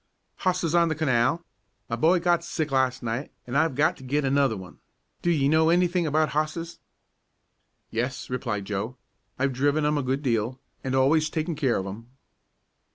"Hosses on the canal. My boy got sick las' night, an' I've got to git another one. Do ye know anything about hosses?" "Yes," replied Joe. "I've driven 'em a good deal, and always taken care of 'em."